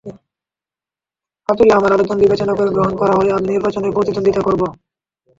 আপিলে আমার আবেদন বিবেচনা করে গ্রহণ করা হলে আমি নির্বাচনে প্রতিদ্বন্দ্বিতা করব।